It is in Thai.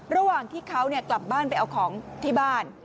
ระหว่างที่เขากลับบ้านไปเอาของที่บ้าน